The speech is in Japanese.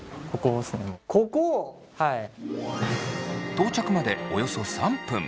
到着までおよそ３分。